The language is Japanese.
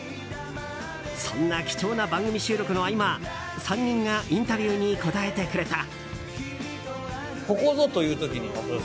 そんな貴重な番組収録の合間３人がインタビューに答えてくれた。